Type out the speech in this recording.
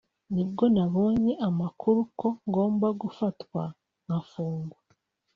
nibwo nabonye amakuru ko ngomba gufatwa ngafungwa